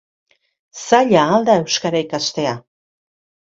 Zaila al da euskara ikastea?